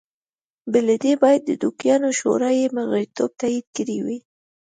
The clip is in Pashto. بې له دې باید د دوکیانو شورا یې غړیتوب تایید کړی وای